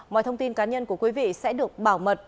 mọi thông tin cá nhân của quý vị sẽ được bảo mật